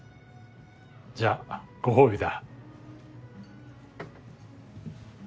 じゃあご褒美だ。